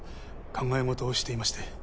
考え事をしていまして。